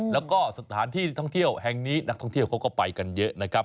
แล้วก็สถานที่ท่องเที่ยวแห่งนี้นักท่องเที่ยวเขาก็ไปกันเยอะนะครับ